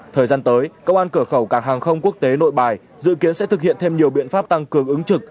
thời gian tới công an cửa khẩu càng hàng không quốc tế nội bài dự kiến sẽ thực hiện thêm nhiều biện pháp tăng cường ứng trực